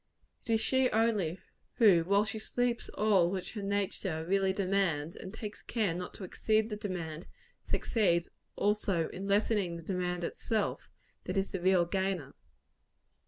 It is she only, who, while she sleeps all which her nature really demands, and takes care not to exceed the demand, succeeds also in lessening the demand itself, that is the real gainer.